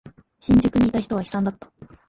新宿にいた人は悲惨だった。